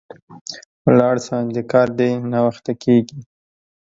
ولاړ سه، د کار دي ناوخته کیږي